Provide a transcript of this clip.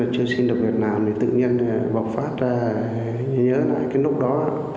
chưa xin được việc làm thì tự nhiên bọc phát nhớ lại cái lúc đó